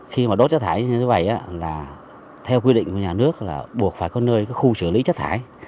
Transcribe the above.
khi mà đốt chất thải như thế này theo quy định của nhà nước là buộc phải có nơi khu xử lý chất thải